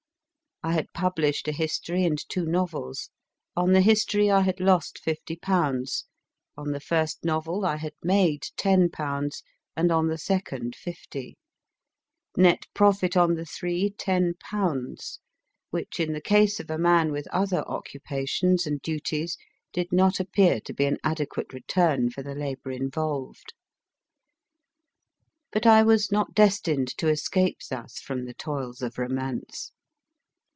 I had published a history and two novels. On the history I had lost fifty pounds, on the first novel I had made ten pounds, and on the second fifty ; net profit on the three, ten pounds, which in the case of a man with other occupations and duties did not appear to be an adequate return for the labour involved. But I was not destined to escape thus from the toils of romance.